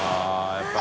やっぱり。